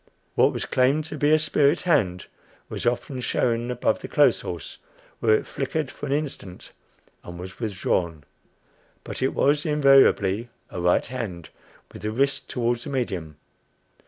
What was claimed to be a spirit hand was often shown above the clothes horse, where it flickered for an instant and was withdrawn; but it was invariably a right hand with the wrist toward the medium.